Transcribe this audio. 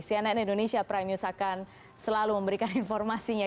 cnn indonesia prime news akan selalu memberikan informasinya